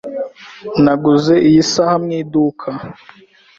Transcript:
Naguze iyi saha mu iduka.